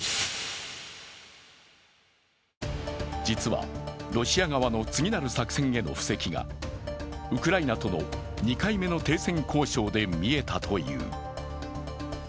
実はロシア側の次なる作戦への布石がウクライナとの２回目の停戦交渉で見えたという。